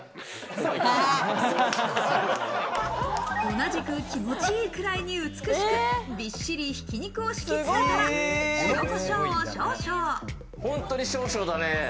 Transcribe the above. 同じく気持ち良いくらいに美しくびっしり挽き肉を敷き詰めたら、塩コショウを少々。